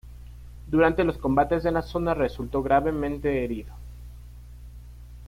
Durante los combates en la zona resultó gravemente herido.